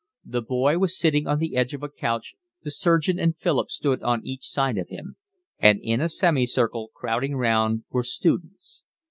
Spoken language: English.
The boy was sitting on the edge of a couch, the surgeon and Philip stood on each side of him; and in a semi circle, crowding round, were students.